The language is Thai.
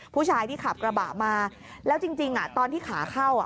ผู้ชายที่ขับกระบะมาแล้วจริงตอนที่ขาเข้า